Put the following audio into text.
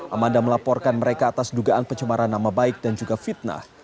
amanda melaporkan mereka atas dugaan pencemaran nama baik dan juga fitnah